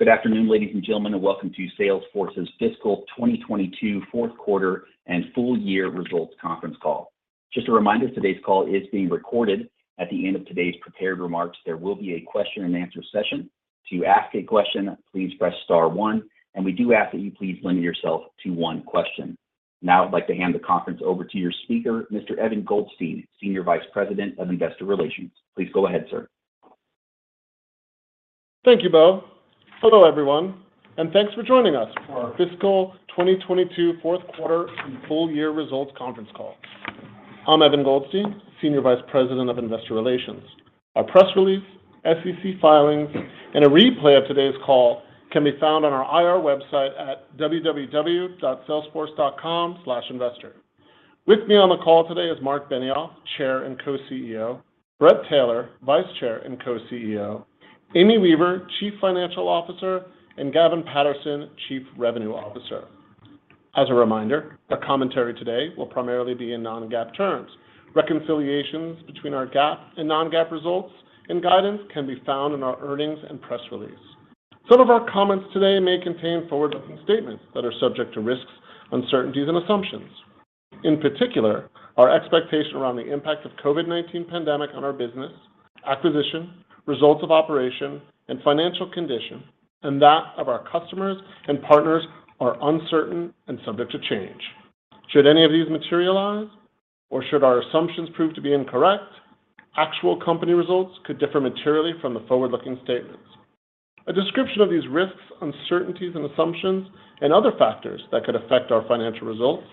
Good afternoon, ladies and gentlemen, and welcome to Salesforce's Fiscal 2022 fourth and full results conference call. Just a reminder, today's call is being recorded. At the end of today's prepared remarks, there will be a question-and-answer session. To ask a question, please press star one, and we do ask that you please limit yourself to one question. Now I'd like to hand the conference over to your speaker, Mr. Evan Goldstein, Senior Vice President of Investor Relations. Please go ahead, sir. Thank you, Bo. Hello, everyone, and thanks for joining us for our Fiscal 2022 Q4 and full year results conference call. I'm Evan Goldstein, Senior Vice President of Investor Relations. Our press release, SEC filings, and a replay of today's call can be found on our IR website at www.salesforce.com/investor. With me on the call today is Marc Benioff, Chair and Co-CEO, Bret Taylor, Vice Chair and Co-CEO, Amy Weaver, Chief Financial Officer, and Gavin Patterson, Chief Revenue Officer. As a reminder, our commentary today will primarily be in non-GAAP terms. Reconciliations between our GAAP and non-GAAP results and guidance can be found in our earnings and press release. Some of our comments today may contain forward-looking statements that are subject to risks, uncertainties, and assumptions. In particular, our expectations around the impact of the COVID-19 pandemic on our business, acquisitions, results of operations, and financial condition, and that of our customers and partners, are uncertain and subject to change. Should any of these materialize or should our assumptions prove to be incorrect, actual company results could differ materially from the forward-looking statements. A description of these risks, uncertainties, and assumptions and other factors that could affect our financial results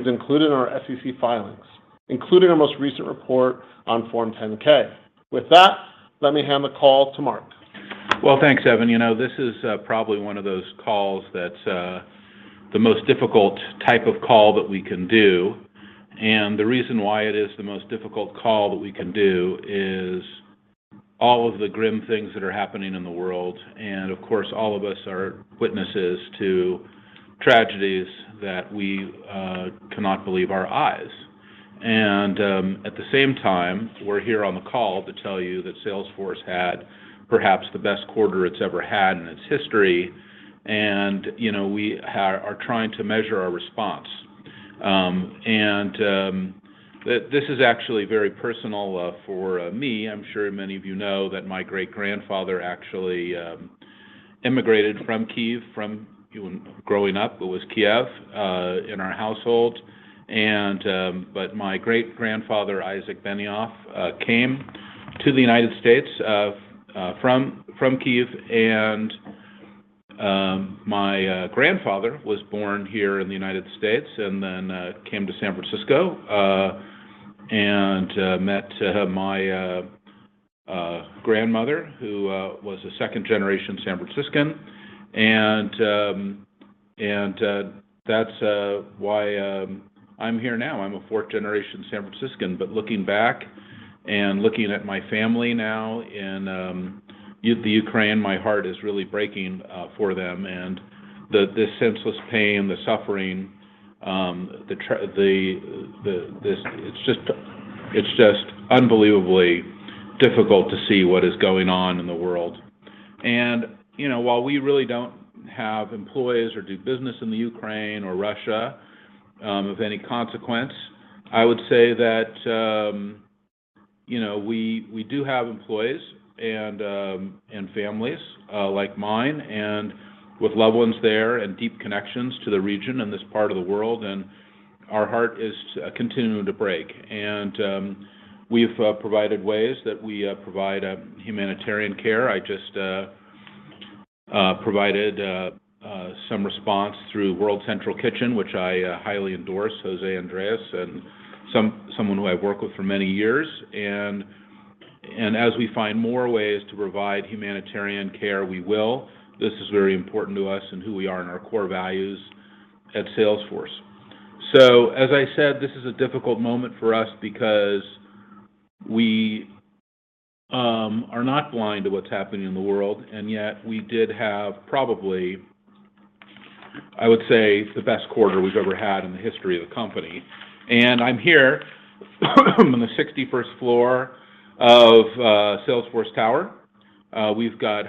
is included in our SEC filings, including our most recent report on Form 10-K. With that, let me hand the call to Marc. Well, thanks, Evan. You know, this is probably one of those calls that's the most difficult type of call that we can do, and the reason why it is the most difficult call that we can do is all of the grim things that are happening in the world. Of course, all of us are witnesses to tragedies that we cannot believe our eyes. At the same time, we're here on the call to tell you that Salesforce had perhaps the best quarter it's ever had in its history. You know, we are trying to measure our response. This is actually very personal for me. I'm sure many of you know that my great-grandfather actually immigrated from Kyiv. From growing up, it was Kiev in our household. But my great-grandfather, Isaac Benioff, came to the United States from Kyiv. My grandfather was born here in the United States and then came to San Francisco and met my grandmother who was a second-generation San Franciscan. That's why I'm here now. I'm a fourth-generation San Franciscan. Looking back and looking at my family now in the Ukraine, my heart is really breaking for them and the senseless pain, the suffering. It's just unbelievably difficult to see what is going on in the world. You know, while we really don't have employees or do business in the Ukraine or Russia of any consequence, I would say that you know, we do have employees and families like mine and with loved ones there and deep connections to the region and this part of the world, and our heart is continuing to break. We've provided ways that we provide humanitarian care. I just provided some response through World Central Kitchen, which I highly endorse. José Andrés and someone who I've worked with for many years. As we find more ways to provide humanitarian care, we will. This is very important to us and who we are and our core values at Salesforce. As I said, this is a difficult moment for us because we are not blind to what's happening in the world, and yet we did have probably, I would say, the best quarter we've ever had in the history of the company. I'm here on the 61st floor of Salesforce Tower. We've got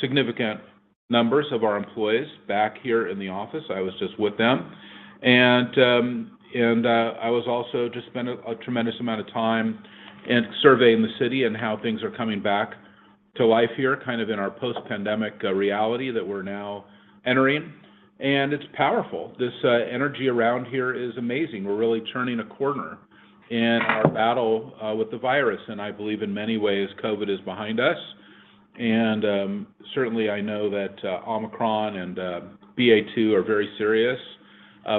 significant numbers of our employees back here in the office. I was just with them. I also just spent a tremendous amount of time surveying the city and how things are coming back to life here, kind of in our post-pandemic reality that we're now entering, and it's powerful. This energy around here is amazing. We're really turning a corner in our battle with the virus, and I believe in many ways COVID is behind us. Certainly, I know that Omicron and BA.2 are very serious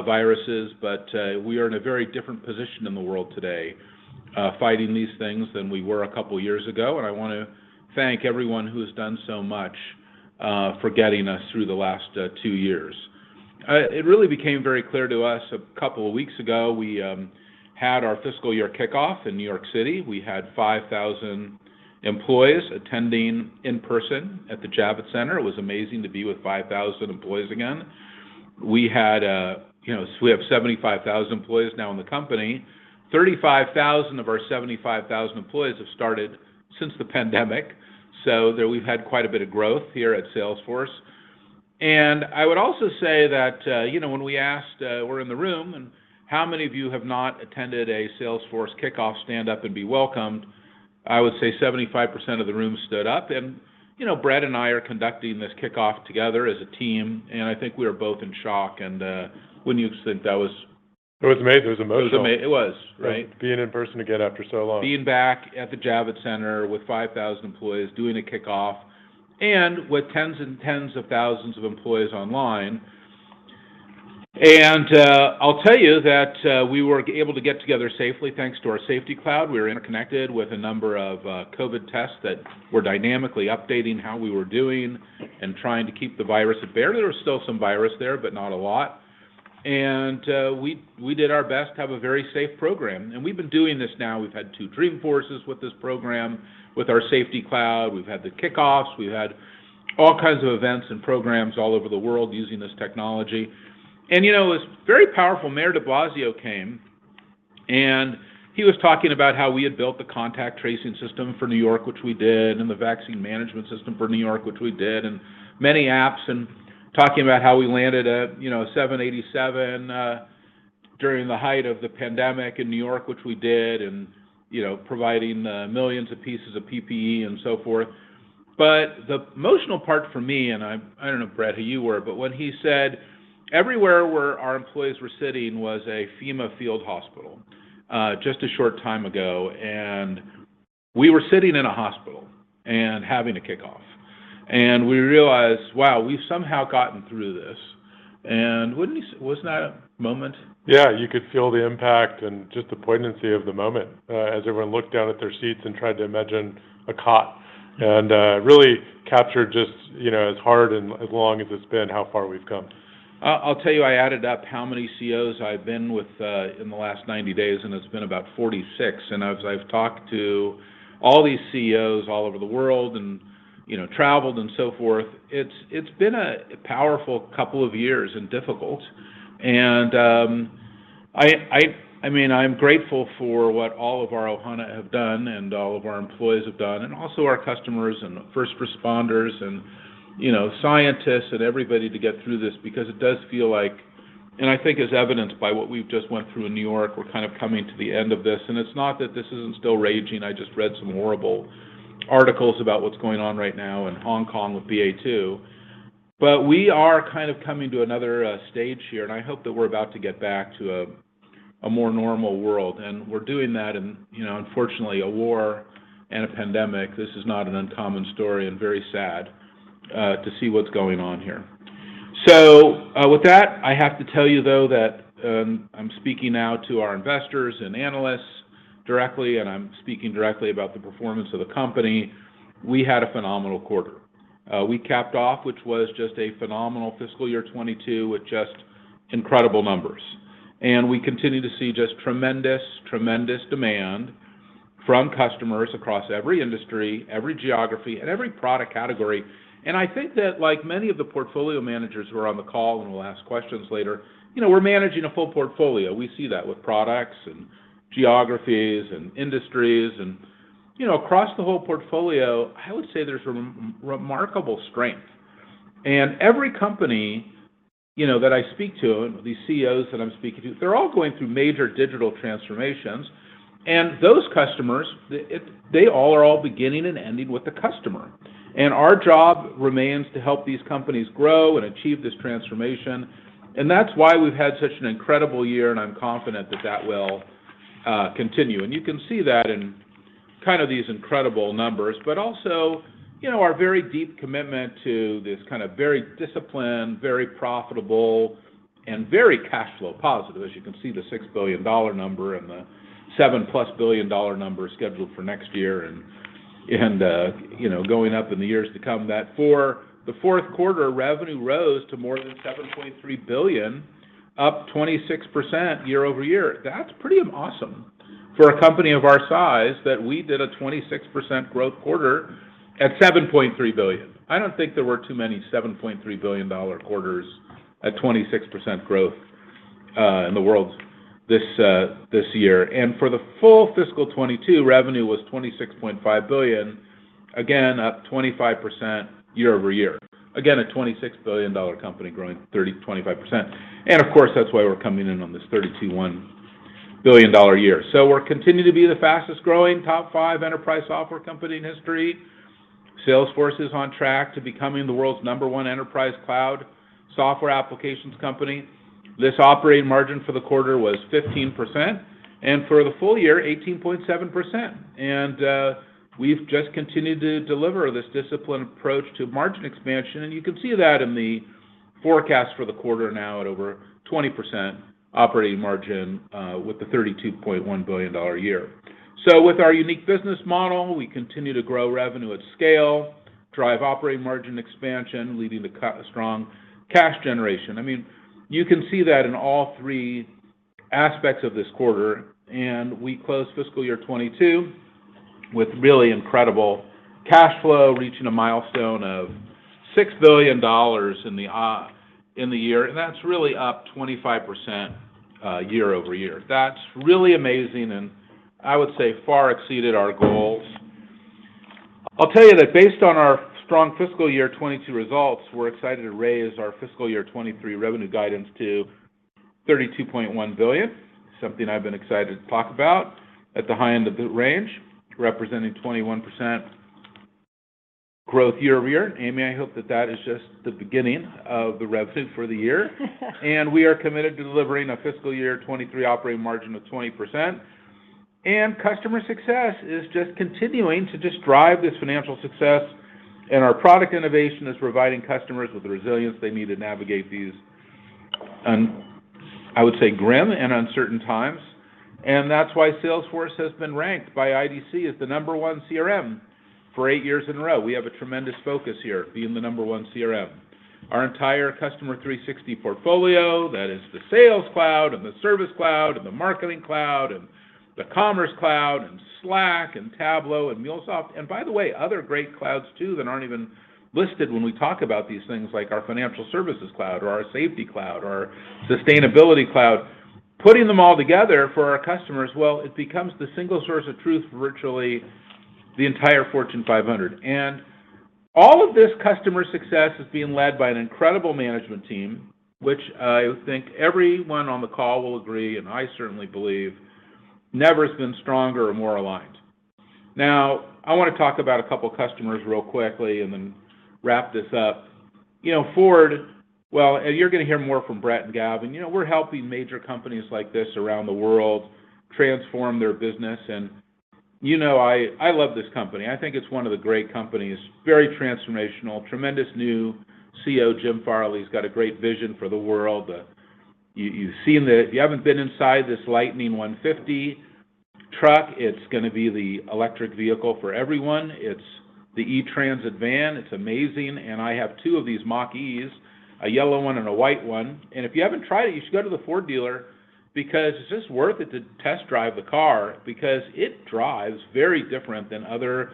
viruses, but we are in a very different position in the world today fighting these things than we were a couple years ago, and I wanna thank everyone who has done so much for getting us through the last two years. It really became very clear to us a couple of weeks ago. We had our fiscal year kickoff in New York City. We had 5,000 employees attending in person at the Javits Center. It was amazing to be with 5,000 employees again. We had, you know, so we have 75,000 employees now in the company. 35,000 of our 75,000 employees have started since the pandemic. There we've had quite a bit of growth here at Salesforce. I would also say that, you know, when we asked, we're in the room, and how many of you have not attended a Salesforce kickoff stand up and be welcomed? I would say 75% of the room stood up. You know, Bret and I are conducting this kickoff together as a team, and I think we are both in shock. Wouldn't you think that was- It was amazing. It was emotional. It was amazing. It was, right? Being in person again after so long. Being back at the Javits Center with 5,000 employees doing a kickoff and with tens and tens of thousands of employees online. I'll tell you that we were able to get together safely thanks to our Safety Cloud. We were interconnected with a number of COVID tests that were dynamically updating how we were doing and trying to keep the virus at bay. There was still some virus there, but not a lot. We did our best to have a very safe program. We've been doing this now. We've had two Dreamforces with this program, with our Safety Cloud. We've had the kickoffs. We've had all kinds of events and programs all over the world using this technology. You know, it's very powerful. Mayor de Blasio came, and he was talking about how we had built the contact tracing system for New York, which we did, and the vaccine management system for New York, which we did, and many apps, and talking about how we landed a, you know, 787 during the height of the pandemic in New York, which we did, and, you know, providing millions of pieces of PPE and so forth. The emotional part for me, and I don't know, Bret, who you were, but when he said everywhere where our employees were sitting was a FEMA field hospital just a short time ago, and we were sitting in a hospital and having a kickoff. We realized, wow, we've somehow gotten through this. Wouldn't you? Was that a moment? Yeah. You could feel the impact and just the poignancy of the moment, as everyone looked down at their seats and tried to imagine a cot, and really captured just, you know, as hard and as long as it's been, how far we've come. I'll tell you, I added up how many CEOs I've been with in the last 90 days, and it's been about 46. As I've talked to all these CEOs all over the world and, you know, traveled and so forth, it's been a powerful couple of years and difficult. I mean, I'm grateful for what all of our Ohana have done and all of our employees have done, and also our customers and the first responders and, you know, scientists and everybody to get through this because it does feel like, as evidenced by what we've just went through in New York, we're kind of coming to the end of this. It's not that this isn't still raging. I just read some horrible articles about what's going on right now in Hong Kong with BA.2. We are kind of coming to another stage here, and I hope that we're about to get back to a more normal world. We're doing that in, you know, unfortunately, a war and a pandemic. This is not an uncommon story and very sad to see what's going on here. With that, I have to tell you, though, that I'm speaking now to our investors and analysts directly, and I'm speaking directly about the performance of the company. We had a phenomenal quarter. We capped off, which was just a phenomenal fiscal year 2022 with just incredible numbers. We continue to see just tremendous demand from customers across every industry, every geography, and every product category. I think that like many of the portfolio managers who are on the call, and we'll ask questions later, you know, we're managing a full portfolio. We see that with products and geographies and industries and, you know, across the whole portfolio, I would say there's remarkable strength. Every company, you know, that I speak to and these CEOs that I'm speaking to, they're all going through major digital transformations. Those customers, they all begin and end with the customer. Our job remains to help these companies grow and achieve this transformation. That's why we've had such an incredible year, and I'm confident that that will continue. You can see that in kind of these incredible numbers, but also, you know, our very deep commitment to this kind of very disciplined, very profitable, and very cash flow positive. As you can see, the $6 billion number and the $7+ billion number scheduled for next year, you know, going up in the years to come. That, for the Q4, revenue rose to more than $7.3 billion, up 26% year-over-year. That's pretty awesome for a company of our size that we did a 26% growth quarter at $7.3 billion. I don't think there were too many $7.3 billion quarters at 26% growth in the world this year. For the full fiscal 2022, revenue was $26.5 billion, again, up 25% year-over-year. Again, a $26 billion company growing 25%. Of course, that's why we're coming in on this $32.1 billion year. We're continuing to be the fastest growing top five enterprise software company in history. Salesforce is on track to becoming the world's number one enterprise cloud software applications company. This operating margin for the quarter was 15%, and for the full year, 18.7%. We've just continued to deliver this disciplined approach to margin expansion, and you can see that in the forecast for the quarter now at over 20% operating margin with the $32.1 billion a year. With our unique business model, we continue to grow revenue at scale, drive operating margin expansion, leading to strong cash generation. I mean, you can see that in all three aspects of this quarter, and we closed fiscal year 2022 with really incredible cash flow reaching a milestone of $6 billion in the year. That's really up 25%, year-over-year. That's really amazing, and I would say far exceeded our goals. I'll tell you that based on our strong FY 2022 results, we're excited to raise our FY 2023 revenue guidance to $32.1 billion. Something I've been excited to talk about. At the high end of the range, representing 21% growth year-over-year. Amy, I hope that is just the beginning of the revenue for the year. We are committed to delivering a FY 2023 operating margin of 20%. Customer success is just continuing to just drive this financial success. Our product innovation is providing customers with the resilience they need to navigate these, I would say grim and uncertain times. That's why Salesforce has been ranked by IDC as the number one CRM for eight years in a row. We have a tremendous focus here being the number one CRM. Our entire Customer 360 portfolio, that is the Sales Cloud and the Service Cloud, and the Marketing Cloud, and the Commerce Cloud, and Slack, and Tableau, and MuleSoft, and by the way, other great clouds too that aren't even listed when we talk about these things, like our Financial Services Cloud, or our Safety Cloud, or Sustainability Cloud. Putting them all together for our customers, well, it becomes the single source of truth for virtually the entire Fortune 500. All of this customer success is being led by an incredible management team, which I think everyone on the call will agree, and I certainly believe, never has been stronger or more aligned. Now, I want to talk about a couple customers real quickly and then wrap this up. You know, Ford, well, and you're going to hear more from Bret and Gavin. You know, we're helping major companies like this around the world transform their business. You know, I love this company. I think it's one of the great companies. Very transformational. Tremendous new CEO, Jim Farley. He's got a great vision for the world. If you haven't been inside this F-150 Lightning truck, it's gonna be the electric vehicle for everyone. It's the E-Transit van. It's amazing. I have two of these Mustang Mach-Es, a yellow one and a white one. If you haven't tried it, you should go to the Ford dealer because it's just worth it to test drive the car because it drives very different than other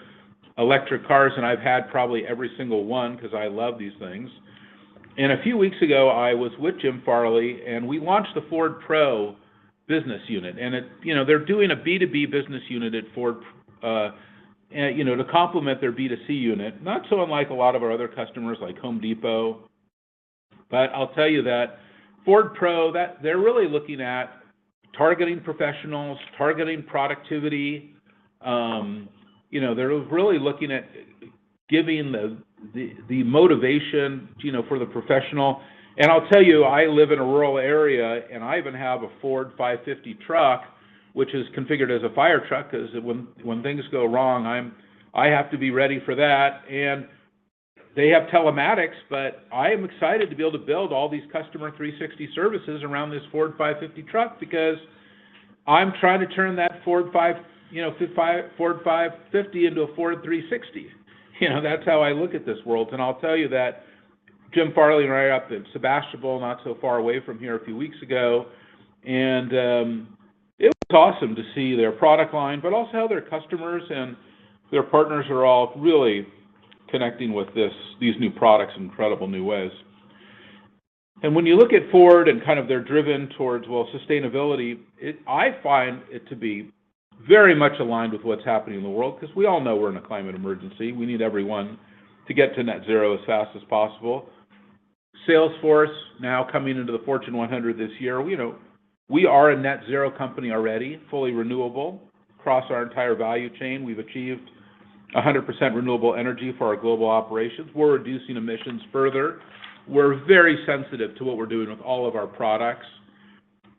electric cars, and I've had probably every single one because I love these things. A few weeks ago, I was with Jim Farley, and we launched the Ford Pro business unit. It you know, they're doing a B2B business unit at Ford, you know, to complement their B2C unit, not so unlike a lot of our other customers, like Home Depot. But I'll tell you that Ford Pro, they're really looking at targeting professionals, targeting productivity. You know, they're really looking at giving the motivation, you know, for the professional. I'll tell you, I live in a rural area, and I even have a Ford F-550 truck, which is configured as a fire truck 'cause when things go wrong, I have to be ready for that. They have telematics, but I am excited to be able to build all these Customer 360 services around this Ford F-550 truck because I'm trying to turn that Ford F-550, you know, into a Ford three sixty. You know, that's how I look at this world. I'll tell you that Jim Farley and I were up in Sebastopol not so far away from here a few weeks ago, and it was awesome to see their product line, but also how their customers and their partners are all really connecting with these new products in incredible new ways. When you look at Ford and kind of they're driven towards, well, sustainability, I find it to be very much aligned with what's happening in the world because we all know we're in a climate emergency. We need everyone to get to net zero as fast as possible. Salesforce now coming into the Fortune 100 this year, you know, we are a net zero company already, fully renewable across our entire value chain. We've achieved 100% renewable energy for our global operations. We're reducing emissions further. We're very sensitive to what we're doing with all of our products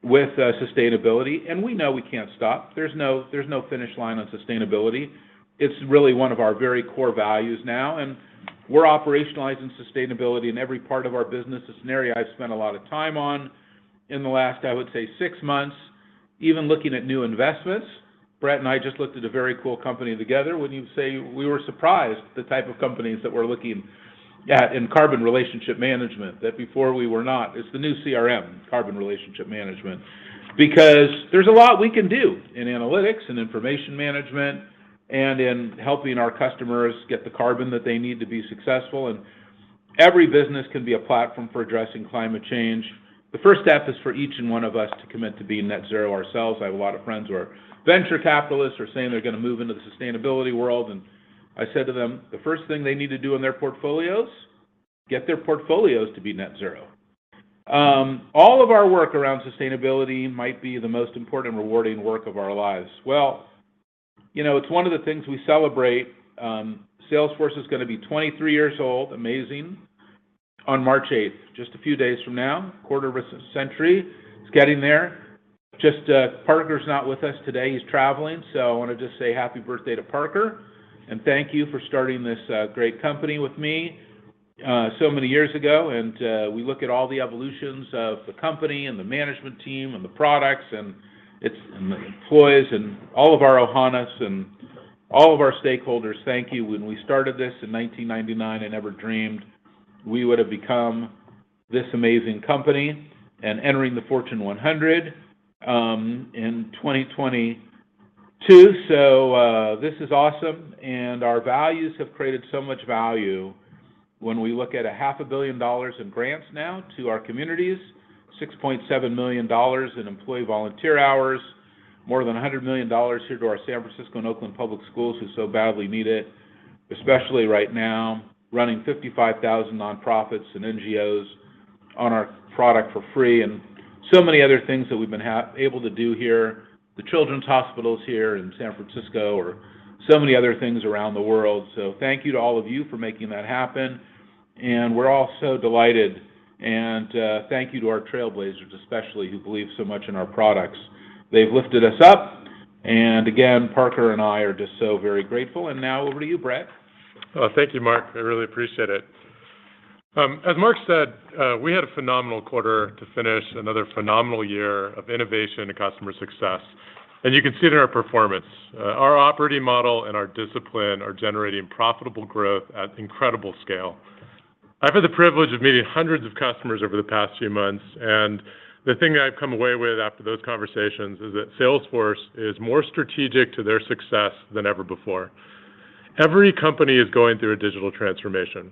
with sustainability. We know we can't stop. There's no finish line on sustainability. It's really one of our very core values now. We're operationalizing sustainability in every part of our business. It's an area I've spent a lot of time on in the last, I would say, six months, even looking at new investments. Bret and I just looked at a very cool company together. Wouldn't you say we were surprised the type of companies that we're looking at in carbon relationship management that before we were not? It's the new CRM, carbon relationship management. Because there's a lot we can do in analytics and information management and in helping our customers get the carbon that they need to be successful. Every business can be a platform for addressing climate change. The first step is for each and one of us to commit to being net zero ourselves. I have a lot of friends who are venture capitalists who are saying they're going to move into the sustainability world. I said to them, the first thing they need to do in their portfolios, get their portfolios to be net zero. All of our work around sustainability might be the most important and rewarding work of our lives. Well, you know, it's one of the things we celebrate. Salesforce is going to be 23 years old, amazing, on March 8, just a few days from now. Quarter of a century. It's getting there. Just, Parker's not with us today. He's traveling. I want to just say happy birthday to Parker, and thank you for starting this great company with me so many years ago. We look at all the evolutions of the company and the management team and the products and its employees and all of our ohana and all of our stakeholders. Thank you. When we started this in 1999, I never dreamed we would have become this amazing company and entering the Fortune 100 in 2022. This is awesome, and our values have created so much value when we look at a $ half a billion in grants now to our communities, $6.7 million in employee volunteer hours, more than $100 million here to our San Francisco and Oakland Public Schools who so badly need it, especially right now, running 55,000 nonprofits and NGOs on our product for free and so many other things that we've been able to do here, the children's hospitals here in San Francisco or so many other things around the world. Thank you to all of you for making that happen, and we're all so delighted, and thank you to our trailblazers especially, who believe so much in our products. They've lifted us up, and again, Parker and I are just so very grateful. Now over to you, Bret. Oh, thank you, Marc. I really appreciate it. As Marc said, we had a phenomenal quarter to finish another phenomenal year of innovation and customer success, and you can see it in our performance. Our operating model and our discipline are generating profitable growth at incredible scale. I've had the privilege of meeting hundreds of customers over the past few months, and the thing that I've come away with after those conversations is that Salesforce is more strategic to their success than ever before. Every company is going through a digital transformation,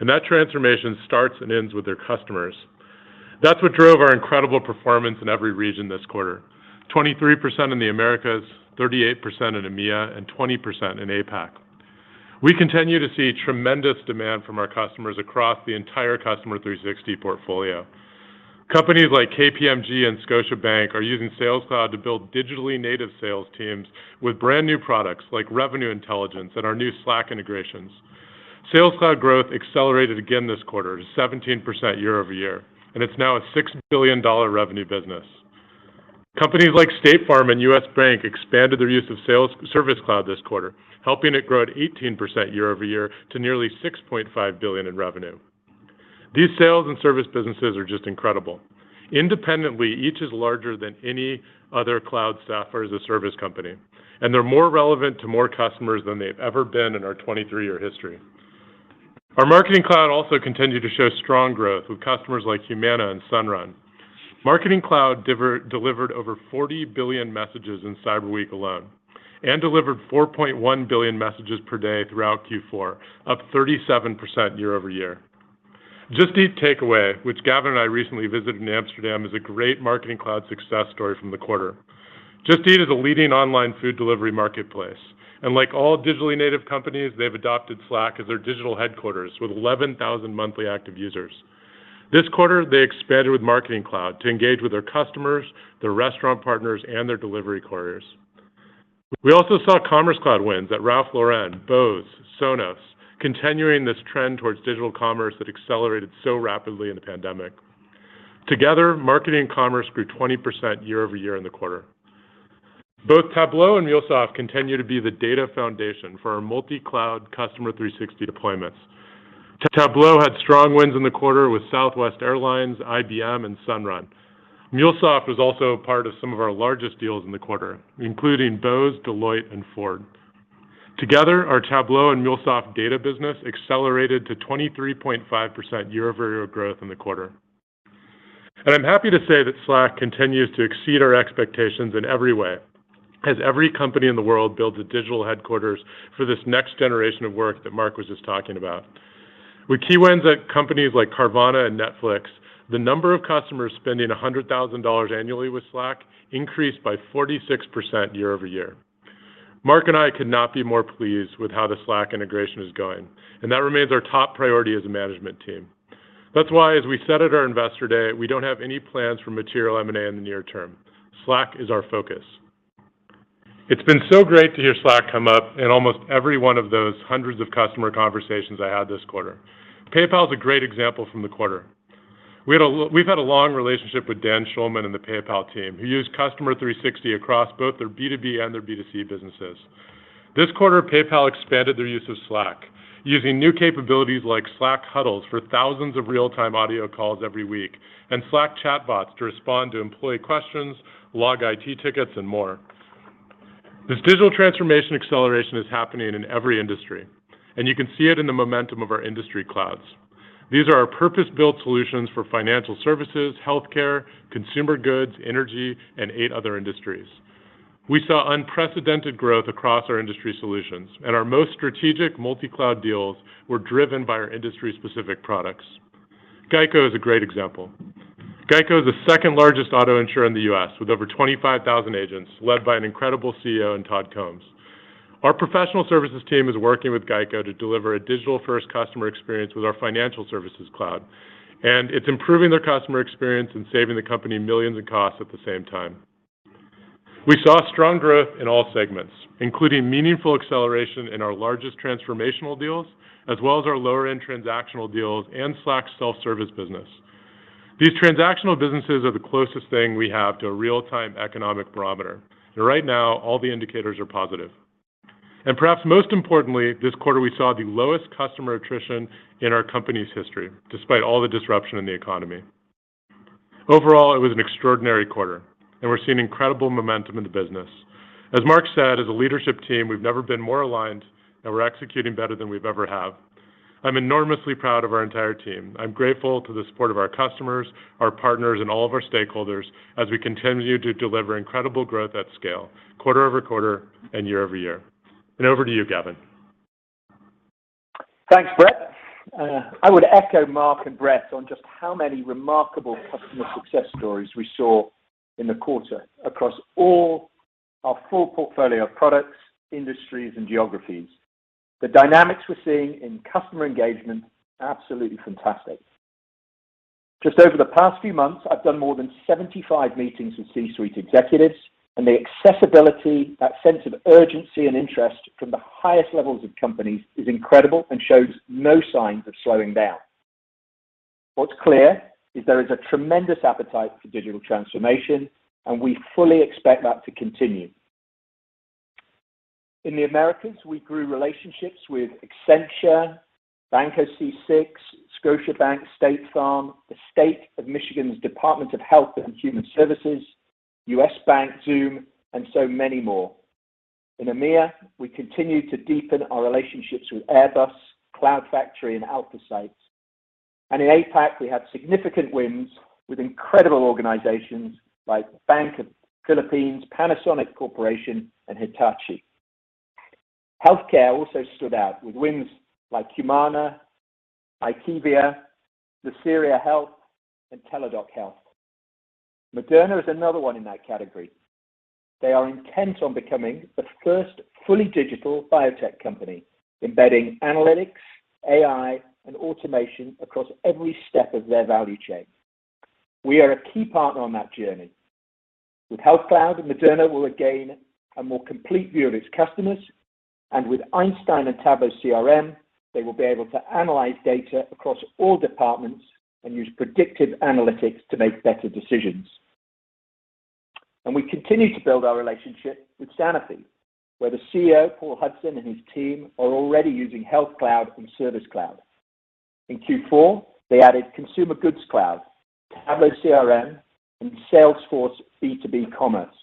and that transformation starts and ends with their customers. That's what drove our incredible performance in every region this quarter. 23% in the Americas, 38% in EMEA, and 20% in APAC. We continue to see tremendous demand from our customers across the entire Customer 360 portfolio. Companies like KPMG and Scotiabank are using Sales Cloud to build digitally native sales teams with brand-new products like Revenue Intelligence and our new Slack integrations. Sales Cloud growth accelerated again this quarter to 17% year-over-year, and it's now a $6 billion revenue business. Companies like State Farm and U.S. Bank expanded their use of Sales and Service Cloud this quarter, helping it grow at 18% year-over-year to nearly $6.5 billion in revenue. These sales and service businesses are just incredible. Independently, each is larger than any other cloud software as a service company, and they're more relevant to more customers than they've ever been in our 23-year history. Our Marketing Cloud also continued to show strong growth with customers like Humana and Sunrun. Marketing Cloud delivered over 40 billion messages in Cyber Week alone and delivered 4.1 billion messages per day throughout Q4, up 37% year-over-year. Just Eat Takeaway, which Gavin and I recently visited in Amsterdam, is a great Marketing Cloud success story from the quarter. Just Eat is a leading online food delivery marketplace, and like all digitally native companies, they've adopted Slack as their digital headquarters with 11,000 monthly active users. This quarter, they expanded with Marketing Cloud to engage with their customers, their restaurant partners, and their delivery couriers. We also saw Commerce Cloud wins at Ralph Lauren, Bose, Sonos, continuing this trend towards digital commerce that accelerated so rapidly in the pandemic. Together, marketing and commerce grew 20% year-over-year in the quarter. Both Tableau and MuleSoft continue to be the data foundation for our multi-cloud Customer 360 deployments. Tableau had strong wins in the quarter with Southwest Airlines, IBM, and Sunrun. MuleSoft was also a part of some of our largest deals in the quarter, including Bose, Deloitte, and Ford. Together, our Tableau and MuleSoft data business accelerated to 23.5% year-over-year growth in the quarter. I'm happy to say that Slack continues to exceed our expectations in every way as every company in the world builds a digital headquarters for this next generation of work that Marc was just talking about. With key wins at companies like Carvana and Netflix, the number of customers spending $100,000 annually with Slack increased by 46% year-over-year. Marc and I could not be more pleased with how the Slack integration is going, and that remains our top priority as a management team. That's why, as we said at our Investor Day, we don't have any plans for material M&A in the near term. Slack is our focus. It's been so great to hear Slack come up in almost every one of those hundreds of customer conversations I had this quarter. PayPal is a great example from the quarter. We've had a long relationship with Dan Schulman and the PayPal team, who use Customer 360 across both their B2B and their B2C businesses. This quarter, PayPal expanded their use of Slack using new capabilities like Slack Huddles for thousands of real-time audio calls every week and Slack chatbots to respond to employee questions, log IT tickets, and more. This digital transformation acceleration is happening in every industry, and you can see it in the momentum of our industry clouds. These are our purpose-built solutions for financial services, healthcare, consumer goods, energy, and eight other industries. We saw unprecedented growth across our industry solutions, and our most strategic multi-cloud deals were driven by our industry-specific products. GEICO is a great example. GEICO is the second-largest auto insurer in the U.S. with over 25,000 agents, led by an incredible CEO in Todd Combs. Our professional services team is working with GEICO to deliver a digital-first customer experience with our Financial Services Cloud, and it's improving their customer experience and saving the company $ millions in costs at the same time. We saw strong growth in all segments, including meaningful acceleration in our largest transformational deals as well as our lower-end transactional deals and Slack self-service business. These transactional businesses are the closest thing we have to a real-time economic barometer, and right now, all the indicators are positive. Perhaps most importantly, this quarter we saw the lowest customer attrition in our company's history despite all the disruption in the economy. Overall, it was an extraordinary quarter, and we're seeing incredible momentum in the business. As Marc said, as a leadership team, we've never been more aligned, and we're executing better than we ever have. I'm enormously proud of our entire team. I'm grateful to the support of our customers, our partners, and all of our stakeholders as we continue to deliver incredible growth at scale quarter-over-quarter and year-over-year. Over to you, Gavin. Thanks, Bret. I would echo Marc and Bret on just how many remarkable customer success stories we saw in the quarter across all our full portfolio of products, industries, and geographies. The dynamics we're seeing in customer engagement. Absolutely fantastic. Just over the past few months, I've done more than 75 meetings with C-suite executives, and the accessibility, that sense of urgency and interest from the highest levels of companies is incredible and shows no signs of slowing down. What's clear is there is a tremendous appetite for digital transformation, and we fully expect that to continue. In the Americas, we grew relationships with Accenture, Banco C6, Scotiabank, State Farm, the State of Michigan's Department of Health and Human Services, U.S. Bank, Zoom, and so many more. In EMEA, we continued to deepen our relationships with Airbus, CloudFactory and AlphaSights. In APAC, we had significant wins with incredible organizations like Bank of the Philippine Islands, Panasonic Corporation, and Hitachi. Healthcare also stood out with wins like Humana, IQVIA, Netsmart, and Teladoc Health. Moderna is another one in that category. They are intent on becoming the first fully digital biotech company, embedding analytics, AI, and automation across every step of their value chain. We are a key partner on that journey. With Health Cloud, Moderna will gain a more complete view of its customers, and with Einstein and Tableau CRM, they will be able to analyze data across all departments and use predictive analytics to make better decisions. We continue to build our relationship with Sanofi, where the CEO, Paul Hudson, and his team are already using Health Cloud and Service Cloud. In Q4, they added Consumer Goods Cloud, Tableau CRM, and Salesforce B2B Commerce,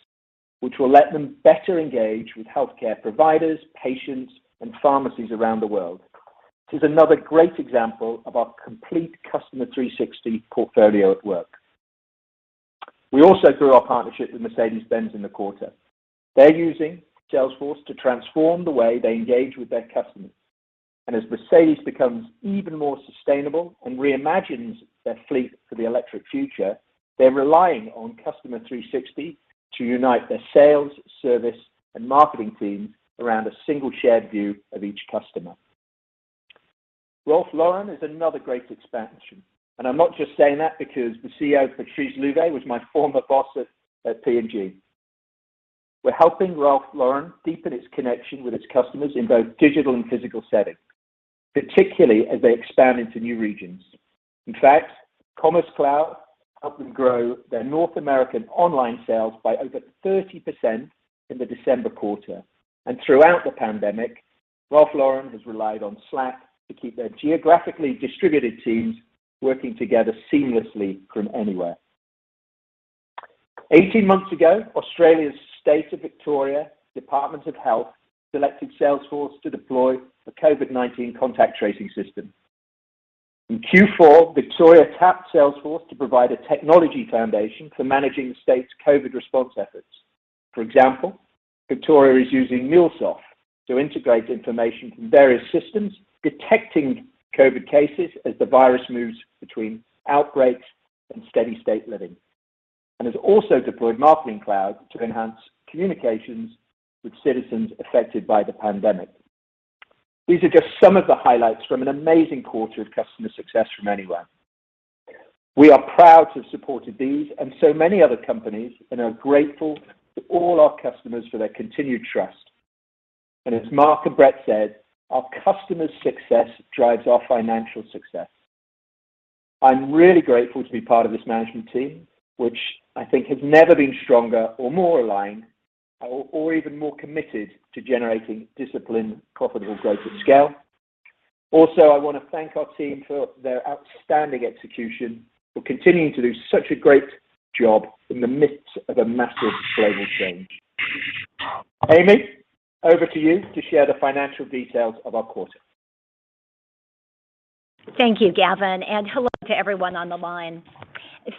which will let them better engage with healthcare providers, patients, and pharmacies around the world. This is another great example of our complete Customer 360 portfolio at work. We also grew our partnership with Mercedes-Benz in the quarter. They're using Salesforce to transform the way they engage with their customers. As Mercedes becomes even more sustainable and reimagines their fleet for the electric future, they're relying on Customer 360 to unite their sales, service, and marketing teams around a single shared view of each customer. Ralph Lauren is another great expansion, and I'm not just saying that because the CEO, Patrice Louvet, was my former boss at P&G. We're helping Ralph Lauren deepen its connection with its customers in both digital and physical settings, particularly as they expand into new regions. In fact, Commerce Cloud helped them grow their North American online sales by over 30% in the December quarter. Throughout the pandemic, Ralph Lauren has relied on Slack to keep their geographically distributed teams working together seamlessly from anywhere. 18 months ago, Australia's State of Victoria Department of Health selected Salesforce to deploy a COVID-19 contact tracing system. In Q4, Victoria tapped Salesforce to provide a technology foundation for managing the state's COVID response efforts. For example, Victoria is using MuleSoft to integrate information from various systems, detecting COVID cases as the virus moves between outbreaks and steady state living, and has also deployed Marketing Cloud to enhance communications with citizens affected by the pandemic. These are just some of the highlights from an amazing quarter of customer success from anywhere. We are proud to have supported these and so many other companies and are grateful to all our customers for their continued trust. As Marc and Bret said, our customers' success drives our financial success. I'm really grateful to be part of this management team, which I think has never been stronger or more aligned, or even more committed to generating disciplined, profitable growth at scale. Also, I want to thank our team for their outstanding execution, for continuing to do such a great job in the midst of a massive global change. Amy, over to you to share the financial details of our quarter. Thank you, Gavin, and hello to everyone on the line.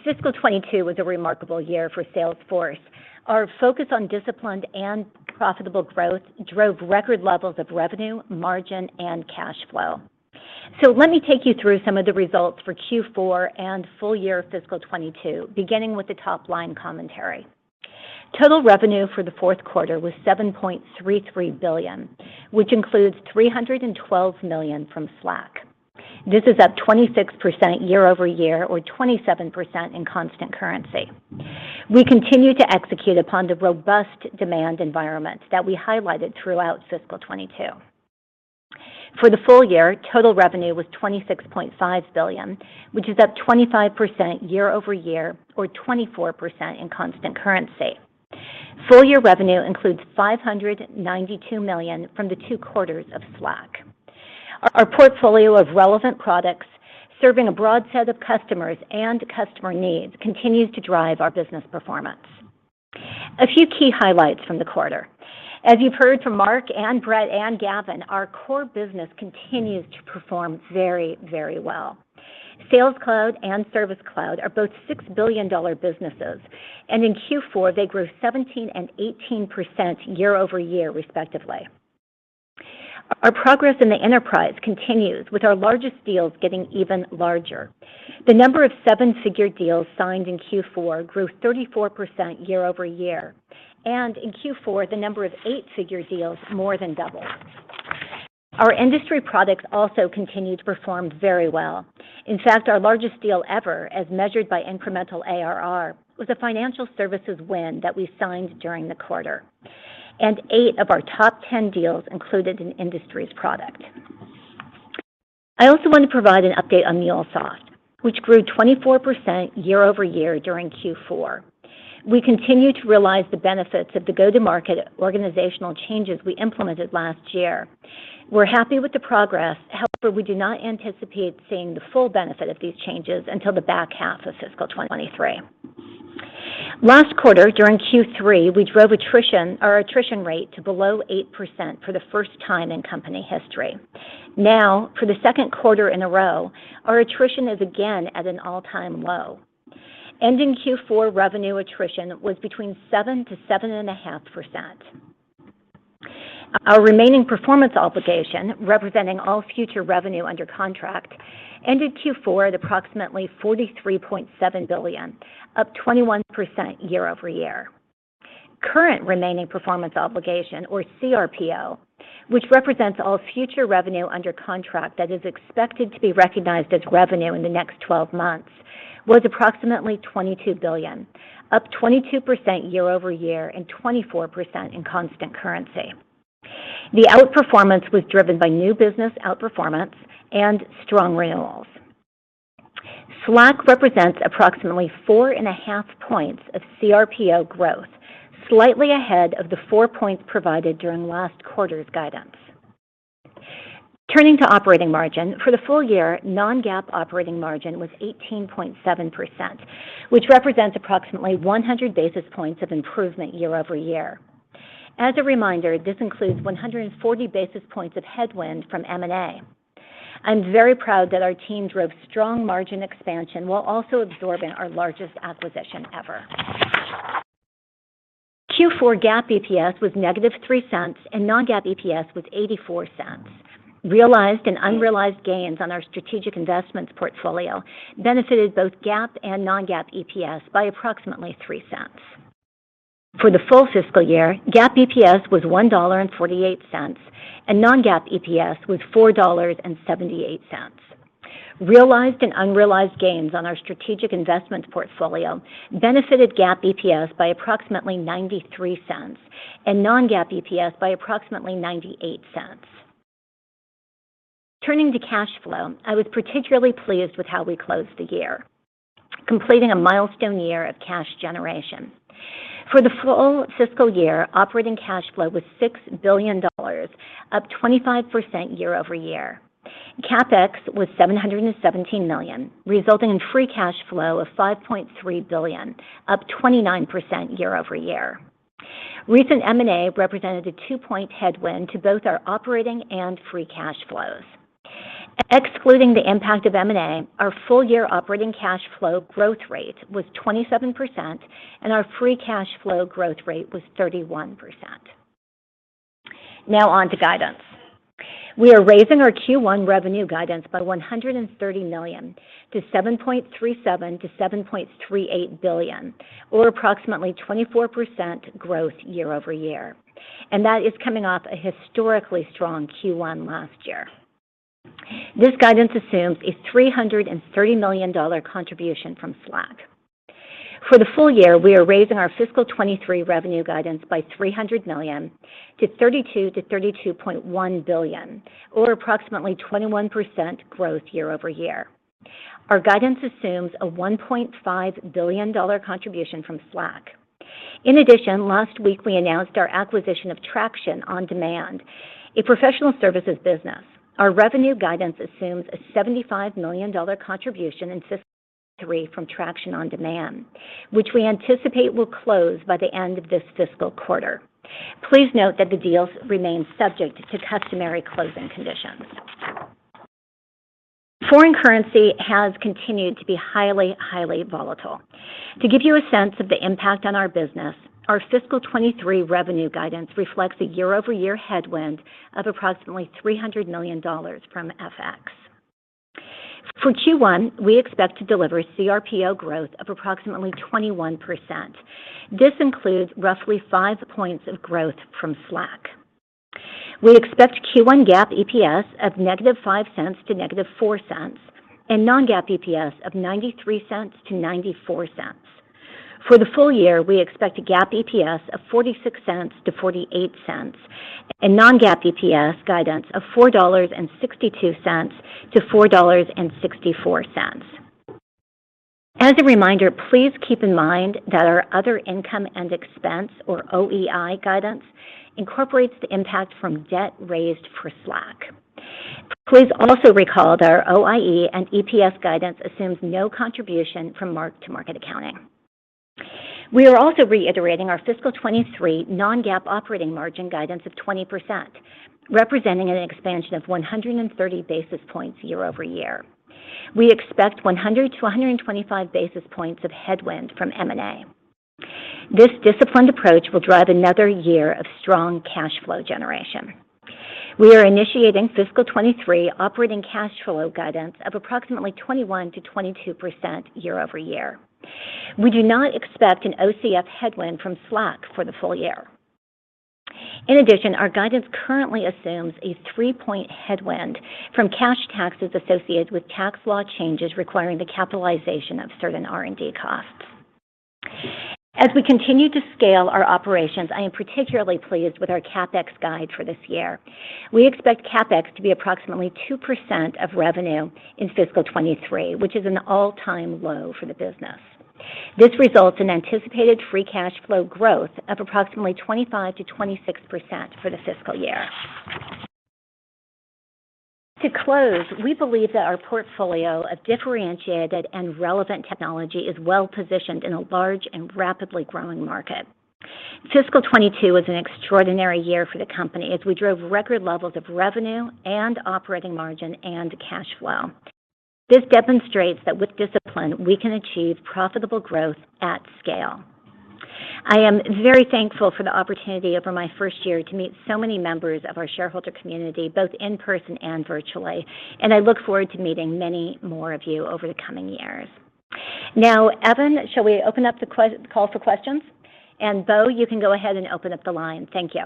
Fiscal 2022 was a remarkable year for Salesforce. Our focus on disciplined and profitable growth drove record levels of revenue, margin, and cash flow. Let me take you through some of the results for Q4 and full year Fiscal 2022, beginning with the top-line commentary. Total revenue for the Q4 was $7.33 billion, which includes $312 million from Slack. This is up 26% year-over-year or 27% in constant currency. We continue to execute upon the robust demand environment that we highlighted throughout Fiscal 2022. For the full year, total revenue was $26.5 billion, which is up 25% year-over-year or 24% in constant currency. Full year revenue includes $592 million from the two quarters of Slack. Our portfolio of relevant products serving a broad set of customers and customer needs continues to drive our business performance. A few key highlights from the quarter. As you've heard from Marc and Bret and Gavin, our core business continues to perform very, very well. Sales Cloud and Service Cloud are both $6 billion businesses, and in Q4 they grew 17% and 18% year-over-year respectively. Our progress in the enterprise continues with our largest deals getting even larger. The number of seven-figure deals signed in Q4 grew 34% year-over-year, and in Q4, the number of eight-figure deals more than doubled. Our industry products also continued to perform very well. In fact, our largest deal ever, as measured by incremental ARR, was a financial services win that we signed during the quarter, and 8 of our top 10 deals included an industries product. I also want to provide an update on MuleSoft, which grew 24% year-over-year during Q4. We continue to realize the benefits of the go-to-market organizational changes we implemented last year. We're happy with the progress. However, we do not anticipate seeing the full benefit of these changes until the back half of fiscal 2023. Last quarter, during Q3, we drove our attrition rate to below 8% for the first time in company history. Now, for the Q2 in a row, our attrition is again at an all-time low. Ending Q4 revenue attrition was between 7% and 7.5%. Our remaining performance obligation, representing all future revenue under contract, ended Q4 at approximately $43.7 billion, up 21% year-over-year. Current remaining performance obligation, or CRPO, which represents all future revenue under contract that is expected to be recognized as revenue in the next twelve months, was approximately $22 billion, up 22% year-over-year and 24% in constant currency. The outperformance was driven by new business outperformance and strong renewals. Slack represents approximately 4.5 points of CRPO growth, slightly ahead of the 4 points provided during last quarter's guidance. Turning to operating margin, for the full year, non-GAAP operating margin was 18.7%, which represents approximately 100 basis points of improvement year-over-year. As a reminder, this includes 140 basis points of headwind from M&A. I'm very proud that our team drove strong margin expansion while also absorbing our largest acquisition ever. Q4 GAAP EPS was -$0.03, and non-GAAP EPS was $0.84. Realized and unrealized gains on our strategic investments portfolio benefited both GAAP and non-GAAP EPS by approximately $0.03. For the full fiscal year, GAAP EPS was $1.48, and non-GAAP EPS was $4.78. Realized and unrealized gains on our strategic investments portfolio benefited GAAP EPS by approximately $0.93 and non-GAAP EPS by approximately $0.98. Turning to cash flow, I was particularly pleased with how we closed the year, completing a milestone year of cash generation. For the full fiscal year, operating cash flow was $6 billion, up 25% year-over-year. CapEx was $717 million, resulting in free cash flow of $5.3 billion, up 29% year-over-year. Recent M&A represented a 2-point headwind to both our operating and free cash flows. Excluding the impact of M&A, our full-year operating cash flow growth rate was 27%, and our free cash flow growth rate was 31%. Now on to guidance. We are raising our Q1 revenue guidance by $130 million to $7.37-$7.38 billion, or approximately 24% growth year-over-year. That is coming off a historically strong Q1 last year. This guidance assumes a $330 million contribution from Slack. For the full year, we are raising our fiscal 2023 revenue guidance by $300 million to $32 billion-$32.1 billion, or approximately 21% growth year-over-year. Our guidance assumes a $1.5 billion contribution from Slack. In addition, last week we announced our acquisition of Traction on Demand, a professional services business. Our revenue guidance assumes a $75 million contribution in fiscal 2023 from Traction on Demand, which we anticipate will close by the end of this fiscal quarter. Please note that the deals remain subject to customary closing conditions. Foreign currency has continued to be highly volatile. To give you a sense of the impact on our business, our fiscal 2023 revenue guidance reflects a year-over-year headwind of approximately $300 million from FX. For Q1, we expect to deliver CRPO growth of approximately 21%. This includes roughly 5 points of growth from Slack. We expect Q1 GAAP EPS of -$0.05 to -$0.04 and non-GAAP EPS of $0.93-$0.94. For the full year, we expect a GAAP EPS of $0.46-$0.48 and non-GAAP EPS guidance of $4.62-$4.64. As a reminder, please keep in mind that our other income and expense, or OI&E guidance, incorporates the impact from debt raised for Slack. Please also recall that our OI&E and EPS guidance assumes no contribution from mark-to-market accounting. We are also reiterating our fiscal 2023 non-GAAP operating margin guidance of 20%, representing an expansion of 130 basis points year-over-year. We expect 100-125 basis points of headwind from M&A. This disciplined approach will drive another year of strong cash flow generation. We are initiating fiscal 2023 operating cash flow guidance of approximately 21%-22% year-over-year. We do not expect an OCF headwind from Slack for the full year. In addition, our guidance currently assumes a 3-point headwind from cash taxes associated with tax law changes requiring the capitalization of certain R&D costs. As we continue to scale our operations, I am particularly pleased with our CapEx guide for this year. We expect CapEx to be approximately 2% of revenue in fiscal 2023, which is an all-time low for the business. This results in anticipated free cash flow growth of approximately 25%-26% for the fiscal year. To close, we believe that our portfolio of differentiated and relevant technology is well-positioned in a large and rapidly growing market. Fiscal 2022 was an extraordinary year for the company as we drove record levels of revenue and operating margin and cash flow. This demonstrates that with discipline, we can achieve profitable growth at scale. I am very thankful for the opportunity over my first year to meet so many members of our shareholder community, both in person and virtually, and I look forward to meeting many more of you over the coming years. Now, Evan, shall we open up the call for questions? Bo, you can go ahead and open up the line. Thank you.